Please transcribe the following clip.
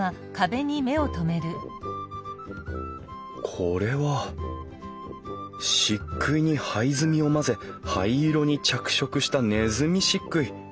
これは漆喰に灰墨を混ぜ灰色に着色したねずみ漆喰。